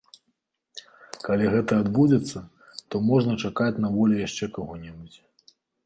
Калі гэта адбудзецца, то можна чакаць на волі яшчэ каго-небудзь.